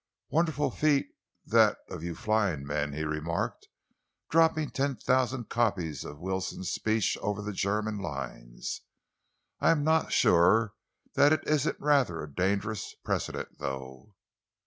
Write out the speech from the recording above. "Wonderful feat, that of you flying men," he remarked, "dropping ten thousand copies of Wilson's speech over the German lines. I am not sure that it isn't rather a dangerous precedent, though."